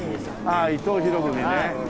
ああ伊藤博文ね。